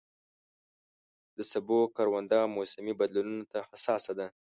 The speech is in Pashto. د سبو کرونده موسمي بدلونونو ته حساسه ده.